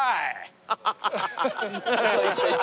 ハハハハハ！